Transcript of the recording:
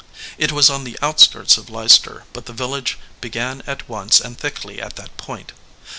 It was on the outskirts of Leicester, but the village began at once and thickly at that point.